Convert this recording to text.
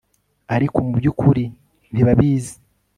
ariko mubyukuri ntibabizi